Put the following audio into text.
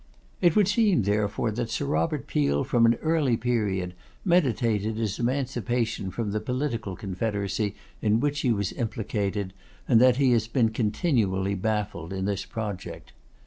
It would seem, therefore, that Sir Robert Peel, from an early period, meditated his emancipation from the political confederacy in which he was implicated, and that he has been continually baffled in this project.